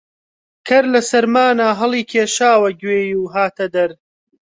کەر لە سەرمانا هەڵیکێشاوە گوێی و هاتە دەر